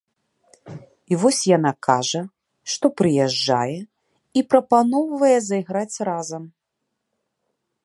І вось яна кажа, што прыязджае, і прапаноўвае зайграць разам.